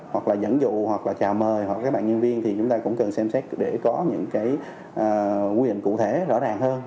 hoặc là dẫn dụ hoặc là chào mời hoặc các bạn nhân viên thì chúng ta cũng cần xem xét để có những cái quy định cụ thể rõ ràng hơn